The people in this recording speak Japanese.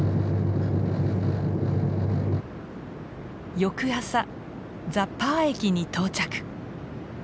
翌朝ザ・パー駅に到着。